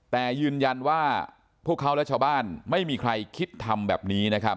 แต่ยืนยันว่าพวกเขาและชาวบ้านไม่มีใครคิดทำแบบนี้นะครับ